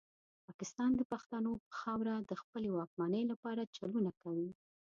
پاکستان د پښتنو پر خاوره د خپلې واکمنۍ لپاره چلونه کوي.